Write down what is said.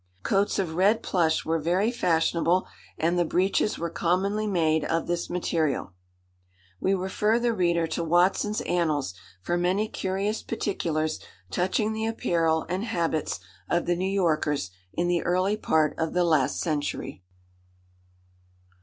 Coats of red plush were very fashionable, and the breeches were commonly made of this material." We refer the reader to Watson's Annals for many curious particulars touching the apparel and habits of the New Yorkers in the early part of the last century.